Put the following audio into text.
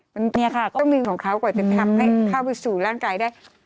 มันตัวเนี้ยแค่เนี่ยต้องมีของเขากว่าจะทำให้เข้าไปสู่ร่านกายได้